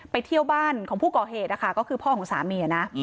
เที่ยวบ้านของผู้ก่อเหตุนะคะก็คือพ่อของสามีนะ